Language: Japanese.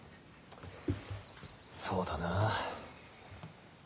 そうだな。